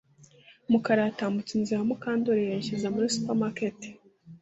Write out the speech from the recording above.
Mukara yatambutse inzu ya Mukandoli yerekeza muri supermarket